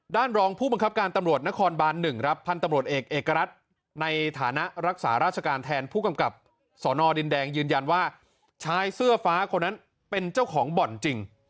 รองผู้บังคับการตำรวจนครบาน๑ครับพันธุ์ตำรวจเอกเอกรัฐในฐานะรักษาราชการแทนผู้กำกับสนดินแดงยืนยันว่าชายเสื้อฟ้าคนนั้นเป็นเจ้าของบ่อนจริง